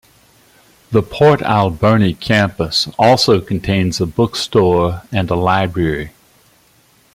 The Port Alberni campus also contains a bookstore and library.